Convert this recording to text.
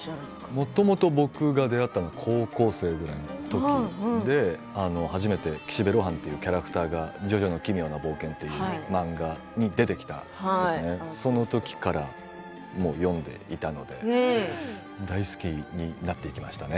もともと僕が出会ったのは高校生くらいのときで初めて岸辺露伴というキャラクターが「ジョジョの奇妙な冒険」という漫画に出てきたそのときから読んでいたので大好きになっていきましたね。